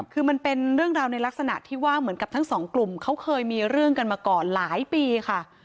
คือมันเป็นเรื่องราวในลักษณะที่ว่าเหมือนกับทั้งสองกลุ่มเขาเคยมีเรื่องกันมาก่อนหลายปีค่ะ